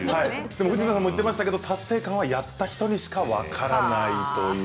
藤田さんも言ってましたけれども、達成感はやった人にしか分からないと。